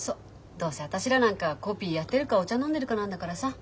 どうせ私らなんかコピーやってるかお茶飲んでるかなんだからさ。